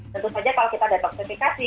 tentu saja kalau kita detoksifikasi